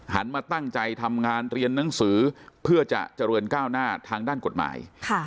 มาตั้งใจทำงานเรียนหนังสือเพื่อจะเจริญก้าวหน้าทางด้านกฎหมาย